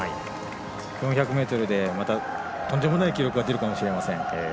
４００ｍでまた、とんでもない記録が出るかもしれません。